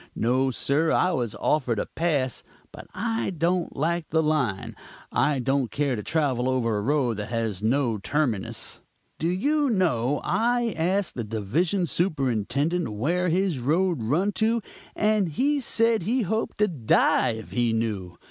No, sir; I was offered a pass, but I don't like the line. I don't care to travel over a road that has no terminus. "Do you know, I asked a division superintendent where his road run to, and he said he hoped to die if he knew.